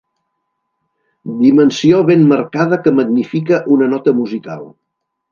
Dimensió ben marcada que magnifica una nota musical.